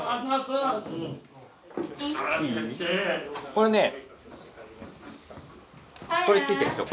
これねこれついてるでしょ。